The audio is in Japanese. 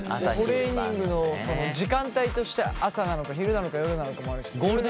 トレーニングのその時間帯として朝なのか昼なのか夜なのかもあるし。